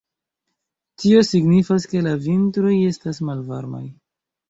Tio signifas ke la vintroj estas malvarmaj.